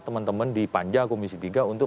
teman teman di panja komisi tiga untuk